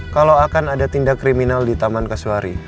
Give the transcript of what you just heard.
kalau akan ada tindak kriminal di taman kasuari